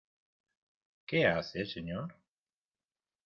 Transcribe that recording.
¿ qué hace, señor?